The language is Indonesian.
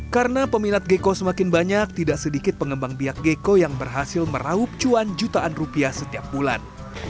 karena peminat gecko semakin banyak tidak sedikit pengembang pihak gecko yang berhasil merahup cuan jutaan rupiah setiap bulan